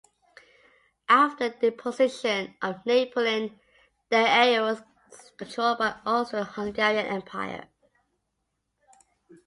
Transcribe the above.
After the deposition of Napoleon, the area was controlled by the Austro-Hungarian Empire.